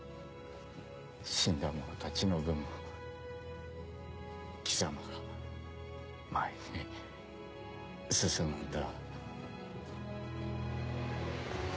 死んだ者たちの分も貴様が前に進むんだ。